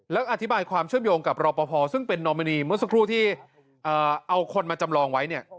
แล้วอธิบายความเชื่อมโยงกับรอปภซึ่งเป็นนอมินีเมื่อสักครู่ที่เอาคนมาจำลองไว้เนี่ย